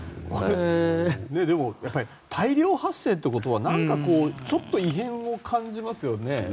でも、やっぱり大量発生ってことは何かちょっと異変を感じますよね。